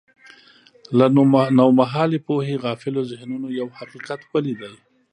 له نومهالې پوهې غافلو ذهنونو یو حقیقت ولید.